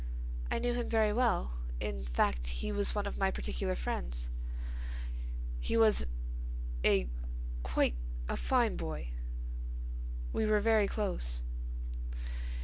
"I knew him very well. In fact, he was one of my particular friends." "He was—a—quite a fine boy. We were very close."